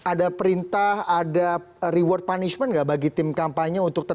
ada perintah ada reward punishment nggak bagi tim kampanye untuk tetap